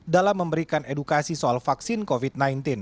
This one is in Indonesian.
dalam memberikan edukasi soal vaksin covid sembilan belas